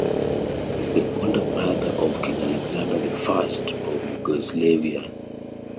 He was the older brother of King Alexander the First of Yugoslavia.